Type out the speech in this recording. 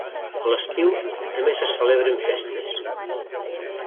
A l'estiu també se celebren festes.